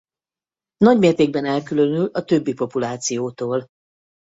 Nagymértékben elkülönül a többi populációtól.